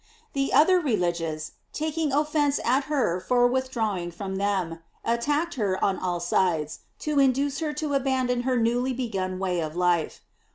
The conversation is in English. The other religious, taking offence at her ior withdrawing from them, attacked her on all sides, to induce her to abandon her newly begun way of life.